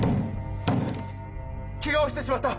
けがをしてしまった！